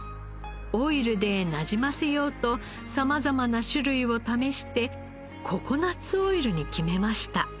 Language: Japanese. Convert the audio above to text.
オイルでなじませようと様々な種類を試してココナッツオイルに決めました。